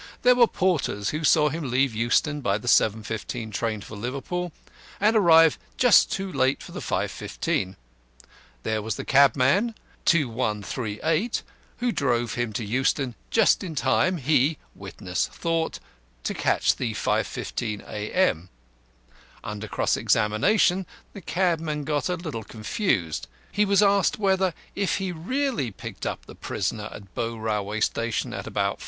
There were the porters who saw him leave Euston by the 7.15 train for Liverpool, and arrive just too late for the 5.15; there was the cabman (2138), who drove him to Euston just in time, he (witness) thought, to catch the 5.15 A.M. Under cross examination, the cabman got a little confused; he was asked whether, if he really picked up the prisoner at Bow Railway Station at about 4.